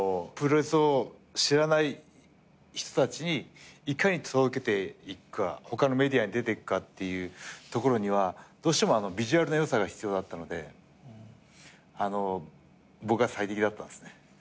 プロレスを知らない人たちにいかに届けていくか他のメディアに出てくかっていうところにはどうしてもビジュアルの良さが必要だったので僕が最適だったんですね。